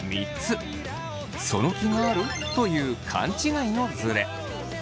「その気がある？」という勘違いのズレ。